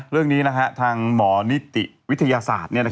เรื่องนี้ทางหมอนิติวิทยาศาสตร์